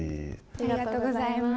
ありがとうございます。